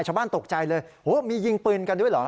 ชาวบ้านตกใจเลยโอ้มียิงปืนกันด้วยเหรอ